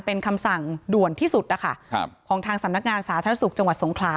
เป็นคำสั่งด่วนที่สุดนะคะครับของทางสำนักงานสาธารณสุขจังหวัดสงขลา